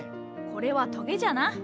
これはトゲじゃな。